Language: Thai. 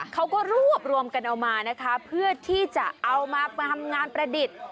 เขาก็รวบรวมกันเอามานะคะเพื่อที่จะเอามาทำงานประดิษฐ์